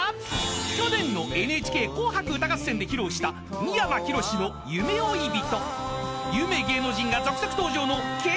［去年のＮＨＫ『紅白歌合戦』で披露した三山ひろしの『夢追い人』］